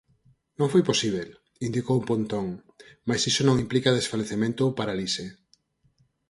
Non foi posíbel, indicou Pontón, mais iso non implica desfalecemento ou parálise.